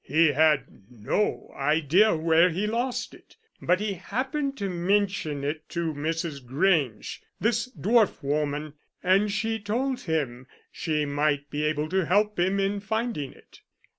He had no idea where he lost it, but he happened to mention it to Mrs. Grange this dwarf woman and she told him she might be able to help him in finding it.